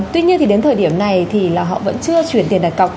tuy nhiên thì đến thời điểm này thì là họ vẫn chưa chuyển tiền đặt cọc